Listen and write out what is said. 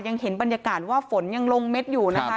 เห็นบรรยากาศว่าฝนยังลงเม็ดอยู่นะคะ